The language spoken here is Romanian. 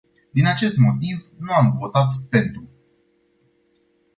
Din acest motiv, nu am votat pentru.